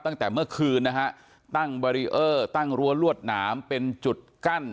ตั้งแต่เมื่อคืนนะฮะตั้งตั้งรัวรวดหนามเป็นจุดกั้น